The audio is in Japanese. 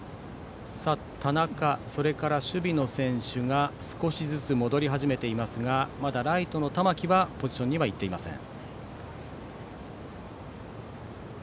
田中それから守備の選手が少しずつ戻り始めていますがまだライトの玉木はポジションには行っていません。